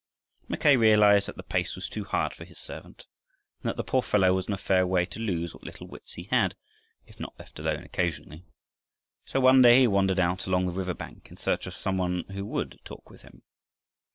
Mackay realized that the pace was too hard for his servant, and that the poor fellow was in a fair way to lose what little wits he had, if not left alone occasionally. So one day he wandered out along the riverbank, in search of some one who would talk with him.